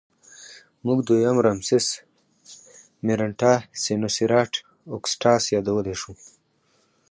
موږ دویم رامسس مېرنټاه سینوسېراټ اګسټاس یادولی شو.